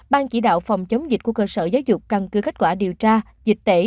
ban chỉ đạo phòng chống dịch của cơ sở giáo dục căn cứ kết quả điều tra dịch tễ